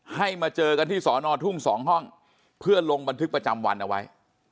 ให้มาเจอกันที่สอนอทุ่ง๒ห้องเพื่อลงบันทึกประจำวันเอาไว้